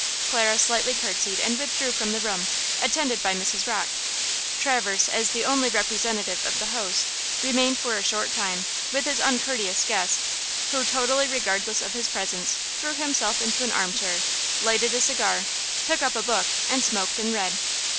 Clara slightly curtsied and withdrew from the room, attended by Mrs. Rocke. Traverse, as the only representative of the host, remained for a short time with his uncourteous guest, who, totally regardless of his presence, threw himself into an armchair, lighted a cigar, took up a book and smoked and read.